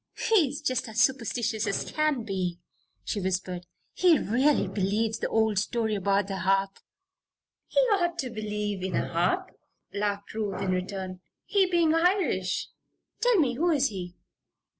"He's just as superstitious as he can be," she whispered. "He really believes the old story about the harp." "He ought to believe in a harp," laughed Ruth, in return, "he being Irish. Tell me, who is he?"